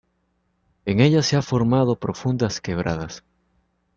En ella se han formado profundas quebradas.